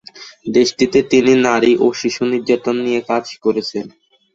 দেশটিতে তিনি নারী ও শিশু নির্যাতন নিয়ে কাজ করেছেন।